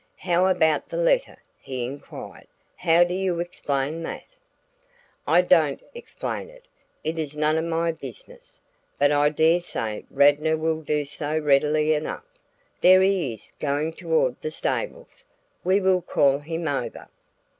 "How about the letter?" he inquired. "How do you explain that?" "I don't explain it; it is none of my business. But I dare say Radnor will do so readily enough there he is going toward the stables; we will call him over."